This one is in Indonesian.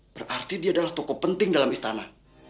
berarti dia adalah tokoh penting dalam istana